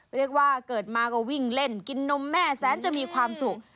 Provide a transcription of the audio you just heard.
เรียกว่าเกิดมาก็วิ่งเล่นกินนมแม่แสนจะมีความสุข